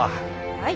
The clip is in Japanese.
はい。